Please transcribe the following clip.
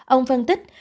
ông phân tích